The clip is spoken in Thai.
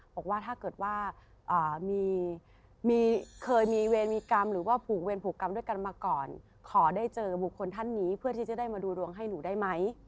บอกว่าถ้าเกิดว่าเคยมีเวรมีกรรมหรือว่าผูกเวรผูกกรรมด้วยกันมาก่อนขอได้เจอบุคคลท่านนี้เพื่อที่จะได้มาดูดวงให้หนูได้ไหม